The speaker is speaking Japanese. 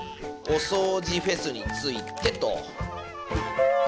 「おそうじフェスについて」と。